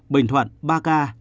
bình thuận ba ca